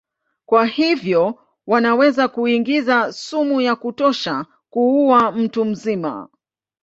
Kwa hivyo wanaweza kuingiza sumu ya kutosha kuua mtu mzima.